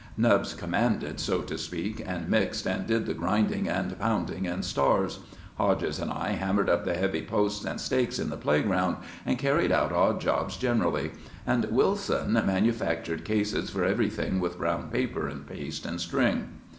Nubbs commanded, so to speak, and mixed and did the grinding and pounding and stars. Hodges and I hammered up the heavy posts and stakes in the playground, and carried out odd jobs generally; and Wilson manufactured cases for everything with brown paper and paste and string.